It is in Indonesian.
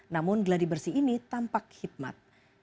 namun gladi bersih ini tampak hikmat